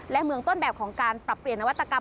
และเมืองต้นแบบของการปรับเปลี่ยนนวัตกรรม